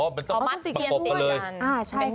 มันต้องปักปักไปเลย